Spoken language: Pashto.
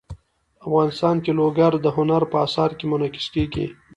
افغانستان کې لوگر د هنر په اثار کې منعکس کېږي.